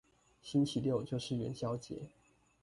星期六就是元宵節